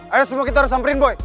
ayo semua kita harus samperin boy